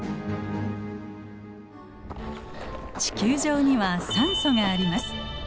地球上には酸素があります。